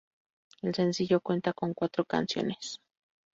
El sencillo cuenta con cuatro canciones.